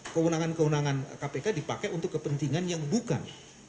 keunangan keunangan kpk dipakai untuk kepentingan yang bukan